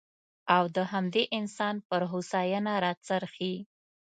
او د همدې انسان پر هوساینه راڅرخي.